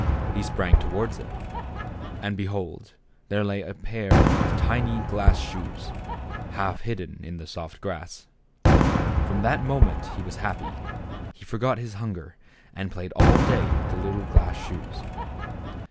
He sprang toward it, and behold, there lay a pair of tiny glass shoes, half hidden in the soft grass. From that moment he was happy ; he forgot his hunger, and played all day with the little glass shoes.